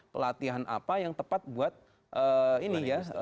pelatihan apa yang tepat buat ini ya